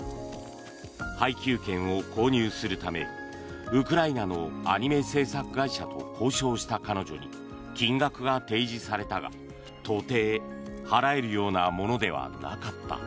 配給権を購入するためウクライナのアニメ制作会社と交渉した彼女に金額が提示されたが到底払えるようなものではなかった。